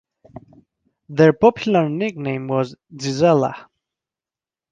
Their popular nickname was "Gisela".